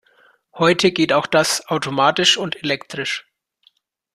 Heute geht auch das automatisch und elektrisch.